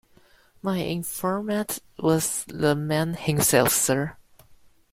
My informant was the man himself, sir.